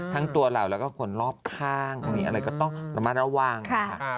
ทั้งตัวเราแล้วก็คนรอบข้างมีอะไรก็ต้องระมัดระวังค่ะ